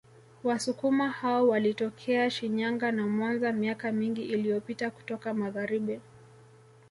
Wasukuma hao walitokea Shinyanga na Mwanza miaka mingi iliyopita kutoka Magharibi